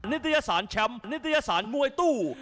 นิตยสารแชมป์นิตยสารมวยตู้